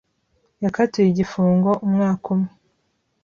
Yakatiwe igifungo umwaka umwe.